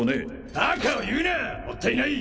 バカを言うなもったいない！